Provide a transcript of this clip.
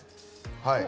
はい。